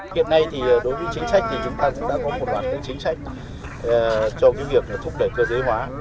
hiện nay đối với chính sách chúng ta đã có một loạt chính sách cho việc thúc đẩy cơ giới hóa